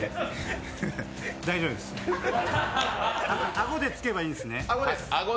顎でつけばいいんですね。